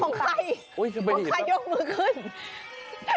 อันนี้ของใครของใครยกมือขึ้น